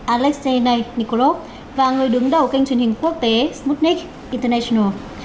alexei nikolov và người đứng đầu kênh truyền hình quốc tế smutnik international